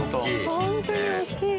ホントに大きい。